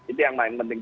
itu yang paling penting